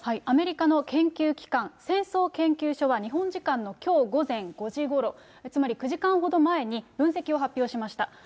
アメリカの研究機関、戦争研究所は日本時間のきょう午前５時ごろ、つまり９時間ほど前に分析を発表しました。